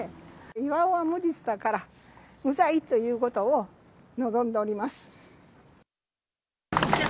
巌は無実だから、無罪ということを望んでおります。